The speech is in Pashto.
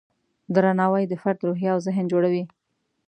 درناوی د فرد روحیه او ذهن جوړوي.